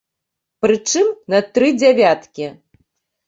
Прычым, на тры дзявяткі.